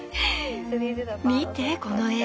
見てこの絵。